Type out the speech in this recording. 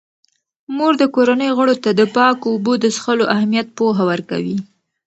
مور د کورنۍ غړو ته د پاکو اوبو د څښلو اهمیت پوهه ورکوي.